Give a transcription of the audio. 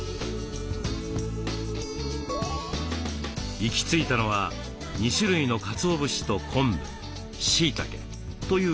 行き着いたのは２種類のかつお節と昆布しいたけという４つを組み合わせること。